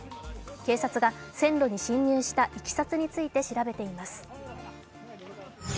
警察が線路に進入したいきさつについて調べています。